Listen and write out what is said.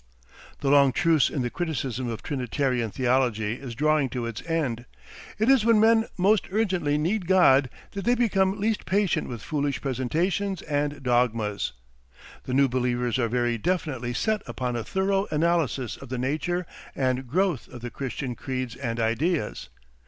The long truce in the criticism of Trinitarian theology is drawing to its end. It is when men most urgently need God that they become least patient with foolish presentations and dogmas. The new believers are very definitely set upon a thorough analysis of the nature and growth of the Christian creeds and ideas.